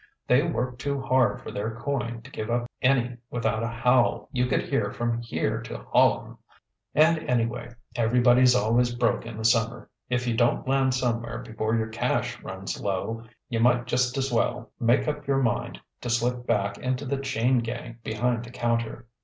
They work too hard for their coin to give up any without a howl you could hear from here to Hollum; and anyway, everybody's always broke in the summer. If you don't land somewhere before your cash runs low, you might just's well make up your mind to slip back into the chain gang behind the counter."